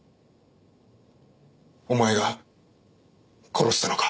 お前が殺したのか？